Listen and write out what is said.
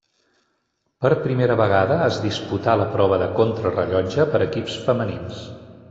Per primera vegada es disputà la prova de Contrarellotge per equips femenins.